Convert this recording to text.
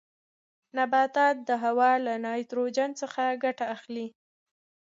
نباتات د هوا له نایتروجن څخه ګټه اخلي.